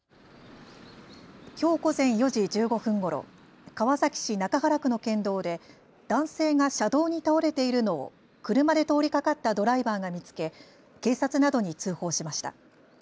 きょう午前４時１５分ごろ川崎市中原区の県道で男性が車道に倒れているのを車で通りかかったドライバーが見つけ警察などに通報しました。